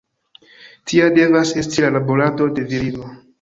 Tia devas esti la laborado de virino.